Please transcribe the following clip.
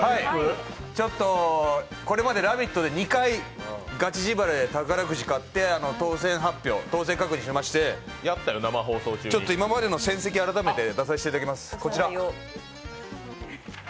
これまで「ラヴィット！」でガチ自腹で宝くじ買って、当選発表しまして今までの戦績、改めて出させていただきます。